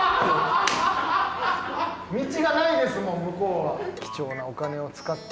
道がないですもん向こうは。